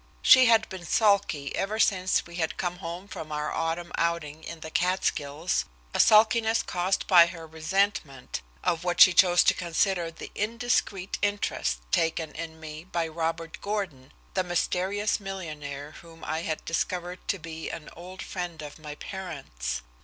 She had been sulky ever since we had come home from our autumn outing in the Catskills, a sulkiness caused by her resentment of what she chose to consider the indiscreet interest taken in me by Robert Gordon, the mysterious millionaire whom I had discovered to be an old friend of my parents.